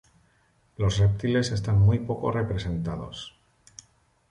Los reptiles están muy poco representados.